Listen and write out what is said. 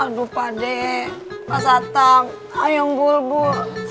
aduh pak dek pak satang ayang bulbul